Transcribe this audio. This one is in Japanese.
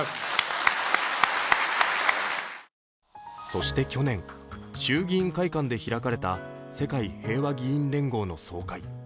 そして去年、衆議院会館で開かれた世界平和議員連合の総会。